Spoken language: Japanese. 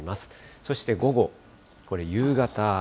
そして午後、これ、夕方。